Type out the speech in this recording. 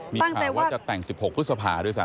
มีข่าวว่าจะแต่ง๑๖พฤษภาด้วยซ้